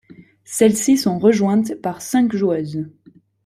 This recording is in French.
Celles-ci sont rejointes par cinq joueuses.